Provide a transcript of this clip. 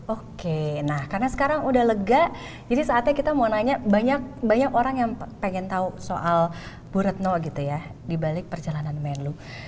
oke karena sekarang sudah lega jadi saatnya kita mau nanya banyak orang yang ingin tahu soal bu retno dibalik perjalanan menlo